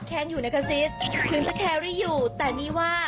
แต่ที่เรารู้สึกว่า